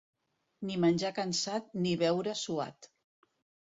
Ni menjar cansat, ni beure suat.